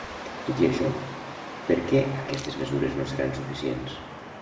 Tot i això, per què aquestes mesures no seran suficients?